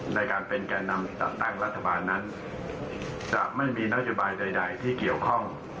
ในการเป็นแก่นำจัดตั้งรัฐบาลนั้นจะไม่มีนโยบายใดที่เกี่ยวข้อง